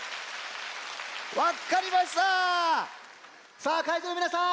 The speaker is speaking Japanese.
さあかいじょうのみなさん